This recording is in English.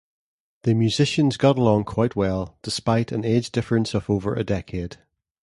The musicians got along quite well, despite an age difference of over a decade.